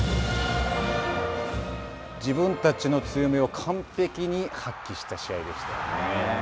自分たちの強みを完璧に発揮した試合でしたよね。